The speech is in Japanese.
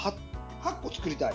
８個作りたい。